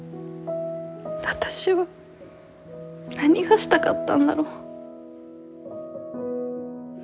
私は何がしたかったんだろう。